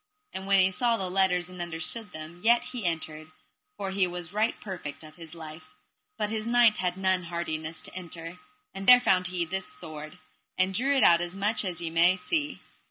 And when he saw the letters and understood them, yet he entered, for he was right perfect of his life, but his knight had none hardiness to enter; and there found he this sword, and drew it out as much as ye may see.